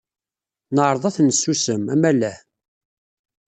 Neɛreḍ ad ten-nessusem, amalah.